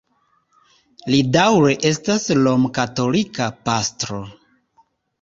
Li daŭre estas romkatolika pastro.